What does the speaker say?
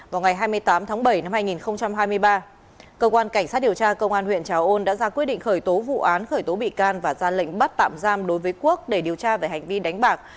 vào ngày hai mươi tám tháng bảy năm hai nghìn hai mươi ba cơ quan cảnh sát điều tra công an huyện trà ôn đã ra quyết định khởi tố vụ án khởi tố bị can và ra lệnh bắt tạm giam đối với quốc để điều tra về hành vi đánh bạc